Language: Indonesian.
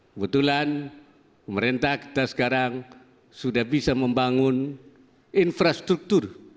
kebetulan pemerintah kita sekarang sudah bisa membangun infrastruktur